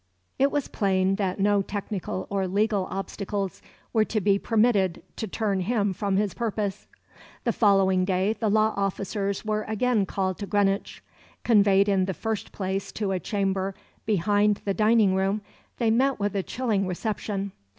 It was plain that no technical or legal obstacles were to be permitted to turn him from his purpose. The following day the law officers were again called to Greenwich. Conveyed in the first place to a chamber behind the dining room, they met with a chilling reception.